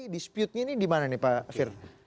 disputnya ini dimana nih pak fir